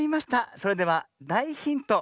それではだいヒント